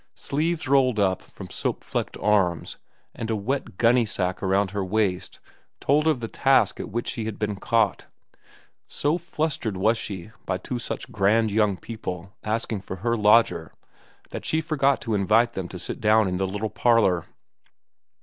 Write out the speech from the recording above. Sleeves rolled up from soap flecked arms and a wet gunny sack around her waist told of the task at which she had been caught. So flustered was she by two such grand young people asking for her lodger, that she forgot to invite them to sit down in the little parlor.